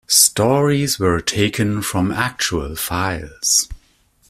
Stories were taken from actual files.